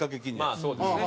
まあそうですね。